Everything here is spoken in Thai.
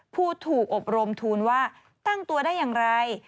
ผู้ถูกอบรมทูลว่าตั้งตัวได้อย่างไร